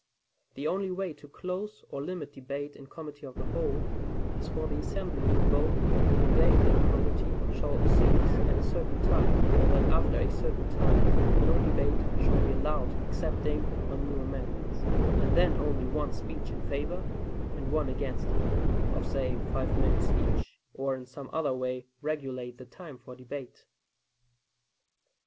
The only way to close or limit debate in committee of the whole, is for the assembly to vote that the debate in committee shall cease at a certain time, or that after a certain time no debate shall be allowed excepting on new amendments, and then only one speech in favor of and one against it, of say, five minutes each; or in some other way regulate the time for debate.